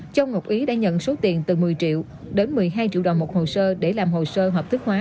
châu ngọc ý đã nhận số tiền từ một mươi triệu đến một mươi hai triệu đồng một hồ sơ để làm hồ sơ hợp thức hóa